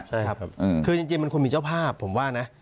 ใช่ครับคือจริงมันควรมีเจ้าภาพผมว่านะ